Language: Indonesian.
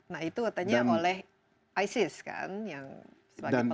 nah itu artinya oleh isis kan yang sebagai pelakunya